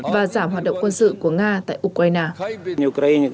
và giảm hoạt động quân sự của nga tại ukraine